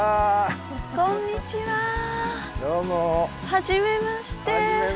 はじめまして。